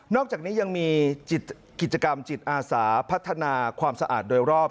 อกจากนี้ยังมีกิจกรรมจิตอาสาพัฒนาความสะอาดโดยรอบ